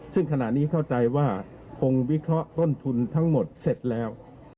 ซึ่งขณะนี้เข้าใจว่าคงวิเคราะห์ต้นทุนทั้งหมดเสร็จแล้ว